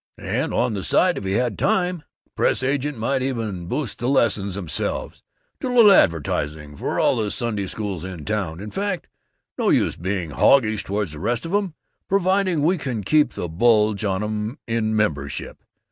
And on the side, if he had time, the press agent might even boost the lessons themselves do a little advertising for all the Sunday Schools in town, in fact. No use being hoggish toward the rest of 'em, providing we can keep the bulge on 'em in membership.